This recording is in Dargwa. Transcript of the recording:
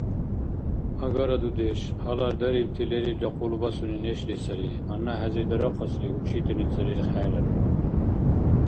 Агара, дудеш, гьалар дарибти лерилра къулбасуни нешла сари, гьанна хӀези дарахъасли, учительница рирххӀерар.